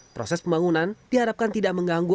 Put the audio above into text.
proses pembangunan diharapkan tidak mengganggu